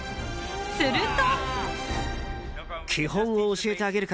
［すると］